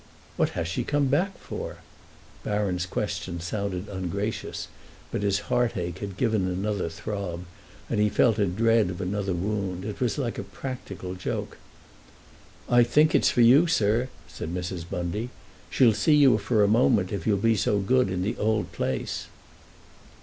"What has she come back for?" Baron's question sounded ungracious, but his heartache had given another throb, and he felt a dread of another wound. It was like a practical joke. "I think it's for you, sir," said Mrs. Bundy. "She'll see you for a moment, if you'll be so good, in the old place."